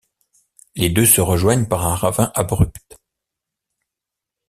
Les deux se rejoignent par un ravin abrupt.